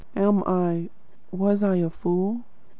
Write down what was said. "Am I was I a fool?"